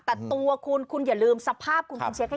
แต่ตัวคุณคุณอย่าลืมสภาพคุณคุณเช็คให้